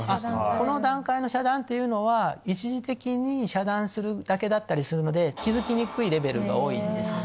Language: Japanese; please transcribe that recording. この段階の遮断っていうのは一時的に遮断するだけだったりするので気付きにくいレベルが多いんですよね。